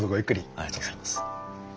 ありがとうございます。